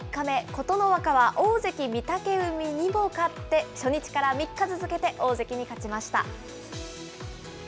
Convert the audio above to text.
琴ノ若は大関・御嶽海にも勝って、初日から３日続けて大関に勝ちました。